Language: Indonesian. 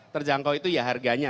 terjangkau itu ya harganya